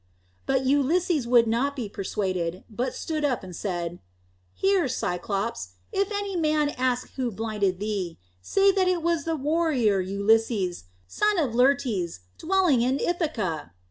But Ulysses would not be persuaded, but stood up and said, "Hear, Cyclops! If any man ask who blinded thee, say that it was the warrior Ulysses, son of Laertes, dwelling in Ithaca."